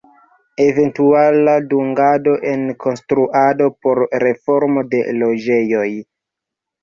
Eventuala dungado en konstruado por reformo de loĝejoj.